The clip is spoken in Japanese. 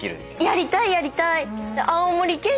やりたいやりたい！